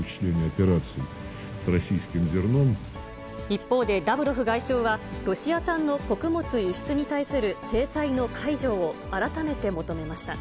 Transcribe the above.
一方で、ラブロフ外相は、ロシア産の穀物輸出に対する制裁の解除を改めて求めました。